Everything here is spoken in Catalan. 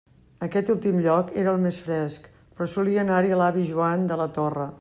Aquest últim lloc era el més fresc, però solia anar-hi l'avi Joan de la Torre.